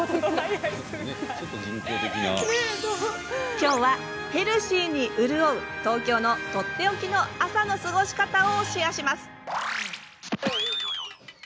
きょうはヘルシーに潤う東京のとっておきの朝の過ごし方をシェアします。